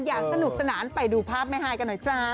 อย่างสนุกสนานไปดูภาพแม่ฮายกันหน่อยจ้า